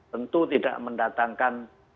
tentu tidak mendatangkan